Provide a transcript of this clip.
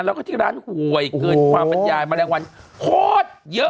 แล้วก็ที่ร้านหวยเกินความอันยายมันแหลงวันโหดเยอะ